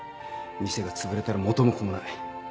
店が潰れたら元も子もない。